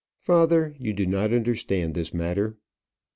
"Father, you do not understand this matter."